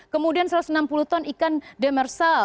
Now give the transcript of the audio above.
kemudian satu ratus enam puluh ton ikan demersal